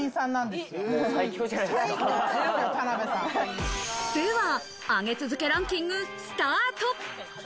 では上げ続けランキングスタート。